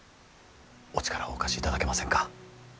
お力をお貸しいただけませんか。